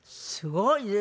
すごい。